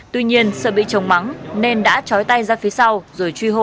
tuy nhiên sợ bị chồng mắng nên đã chói tay ra phía sau rồi truy hô